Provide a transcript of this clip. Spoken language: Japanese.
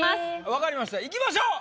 分かりましたいきましょう